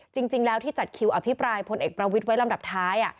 จริงแล้วที่จัดคิวอภิปรายพลเอกประวิทย์ไว้ลำดับท้าย